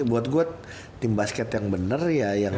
buat gue tim basket yang benar ya